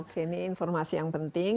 oke ini informasi yang penting